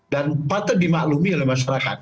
dan patut dimaklumi oleh masyarakat